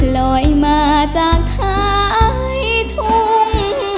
ลอยมาจากท้ายทุ่ง